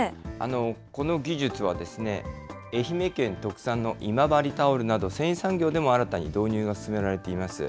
この技術はですね、愛媛県特産の今治タオルなど、繊維産業でも新たに導入が進められています。